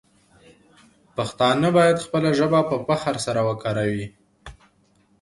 پښتانه باید خپله ژبه په فخر سره وکاروي.